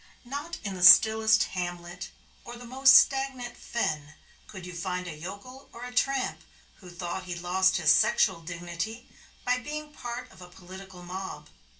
Not in the stillest hamlet or the most stagnant fen could you find a yokel or a tramp who thought he lost his sexual dignity by being part of a political mob.